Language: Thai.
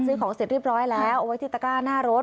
ซื้อของเสร็จเรียบร้อยแล้วเอาไว้ที่ตะกร้าหน้ารถ